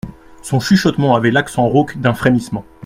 Son chuchotement avait l'accent rauque d'un frémissement.